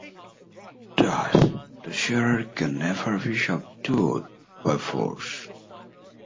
Thus, the Sharers can never be subdued by force.